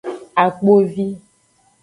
Akpovi.